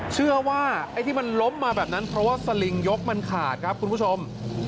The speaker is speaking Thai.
เชื่อว่าไอ้ที่มันล้มมาแบบนั้นเพราะว่าสลิงยกมันขาดครับคุณผู้ชม